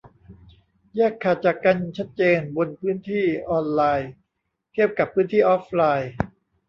แยกขาดจากกันชัดเจนบนพื้นที่ออนไลน์ เทียบกับพื้นที่ออฟไลน์